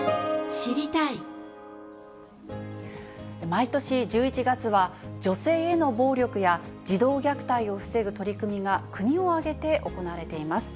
毎年１１月は、女性への暴力や児童虐待を防ぐ取り組みが国を挙げて行われています。